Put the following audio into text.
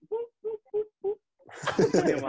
bup bup bup bup